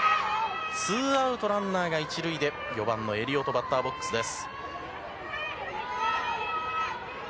ツーアウト、ランナー１塁で４番、エリオトバッターボックスです。